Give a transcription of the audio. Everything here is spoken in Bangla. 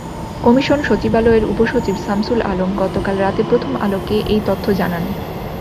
কমিশন সচিবালয়ের উপসচিব শামসুল আলম গতকাল রাতে প্রথম আলোকে এই তথ্য জানান।